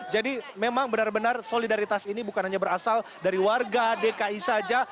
memang benar benar solidaritas ini bukan hanya berasal dari warga dki saja